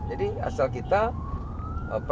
jadi asal kita kita bisa